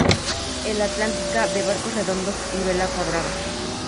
El atlántica, de barcos redondos y vela cuadrada.